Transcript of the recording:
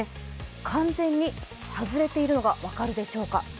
完全に外れているのが分かるでしょうか。